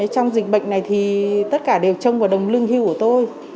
trong dịch bệnh này thì tất cả đều trông vào đồng lương hưu của tôi